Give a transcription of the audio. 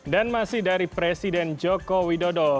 dan masih dari presiden jokowi dodo